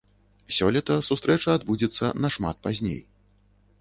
Сёлета сустрэча адбудзецца нашмат пазней.